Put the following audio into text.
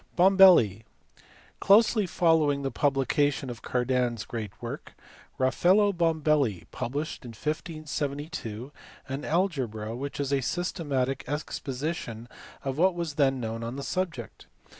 Bombelli. Closely following the publication of Cardan s great work, Rafaello Bombelli published in 1572 an algebra which is a systematic exposition of what was then known on the subject.